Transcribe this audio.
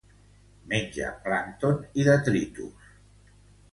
Menja plàncton i detritus.